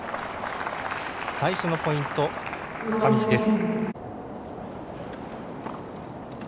最初のポイント、上地です。